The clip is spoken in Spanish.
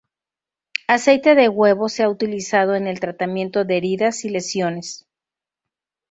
Aceite de huevo se ha utilizado en el tratamiento de heridas y lesiones.